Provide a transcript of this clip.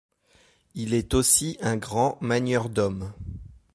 Il est aussi un grand manieur d'hommes.